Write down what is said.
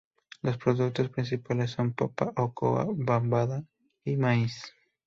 Los productos principales son papa, oca, cebada y maíz.